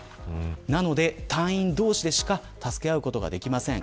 なので隊員同士でしか助け合うことができません。